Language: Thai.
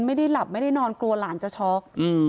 ไม่ได้หลับไม่ได้นอนกลัวหลานจะช็อก